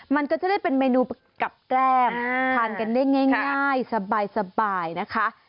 มันก็จะได้เป็นเมนูกับแก้มทานกันได้ง่ายสบายนะคะ